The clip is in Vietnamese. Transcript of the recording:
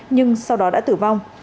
nhưng sau đó đã tử vong